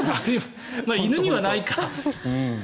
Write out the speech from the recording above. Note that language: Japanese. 犬にはないか。